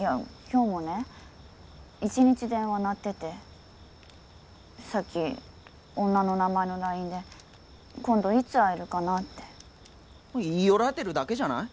今日もね一日電話鳴っててさっき女の名前のＬＩＮＥで「今度いつ会えるかな？」って言い寄られてるだけじゃない？